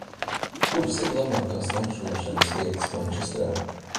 Kuras ir labākās nakšņošanas vietas Mančestrā?